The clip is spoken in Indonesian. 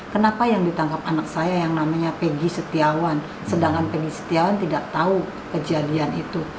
kenapa yang ditangkap anak saya yang namanya peggy setiawan sedangkan pegi setiawan tidak tahu kejadian itu